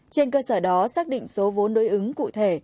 trên cơ sở đó xác định số vốn đối ứng cụ thể